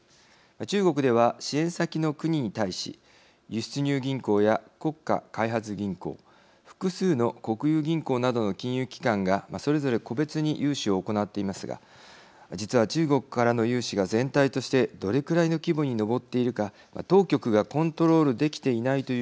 中国では支援先の国に対し輸出入銀行や国家開発銀行複数の国有銀行などの金融機関がそれぞれ個別に融資を行っていますが実は中国からの融資が全体としてどれくらいの規模に上っているか当局がコントロールできていないという指摘があります。